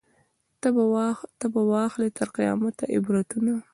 نه به واخلي تر قیامته عبرتونه